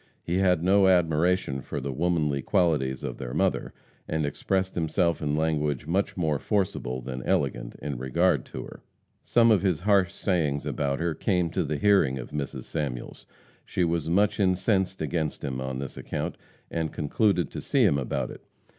He had no admiration for the womanly qualities of their mother, and expressed himself in language much more forcible than elegant in regard to her. Some of his harsh sayings about her came to the hearing of Mrs. Samuels. She was much incensed against him on this account, and concluded to see him about it.